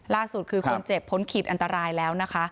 ล่าสุดคือคนเจ็บพ้นขีดอันตรายแล้วนะคะ